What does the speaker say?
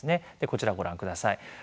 こちらをご覧ください。